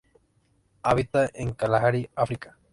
Habita en Kalahari África.